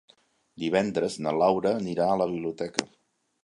Divendres na Laura anirà a la biblioteca.